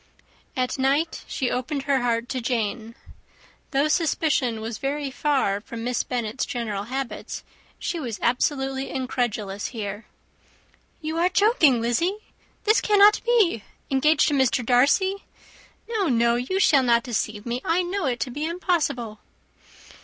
At night she opened her heart to Jane. Though suspicion was very far from Miss Bennet's general habits, she was absolutely incredulous here. "You are joking, Lizzy. This cannot be! Engaged to Mr. Darcy! No, no, you shall not deceive me: I know it to be impossible."